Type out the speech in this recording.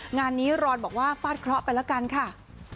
งานนี้รอนบอกว่าฟาดเคราะห์ไปแล้วกันค่ะ